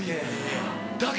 だけ？